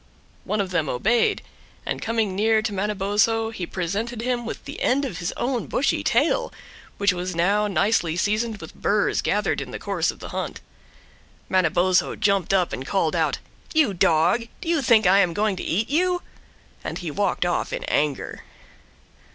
One of them obeyed, and coming near to Manabozho he presented him the end of his own bushy tail, which was now nicely seasoned with burs gathered in the course of the hunt. Manabozho jumped up and called out: "You dog, do you think I am going to eat you?" And he walked off in anger.